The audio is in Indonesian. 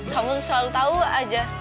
kamu tuh selalu tau aja